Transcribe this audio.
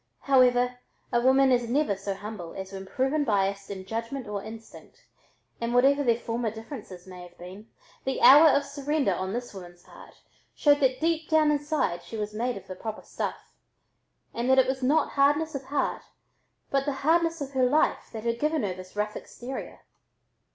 However, a woman is never so humble as when proven biased in judgment or instinct, and whatever their former differences may have been, the hour of surrender on this woman's part showed that deep down inside she was made of the proper stuff, and that it was not hardness of heart but the hardness of her life that had given her this rough exterior.